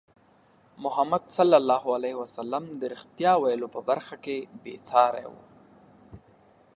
محمد صلى الله عليه وسلم د رښتیا ویلو په برخه کې بې ساری وو.